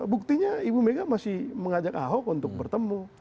buktinya ibu mega masih mengajak ahok untuk bertemu